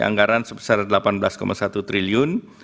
anggaran sebesar delapan belas satu triliun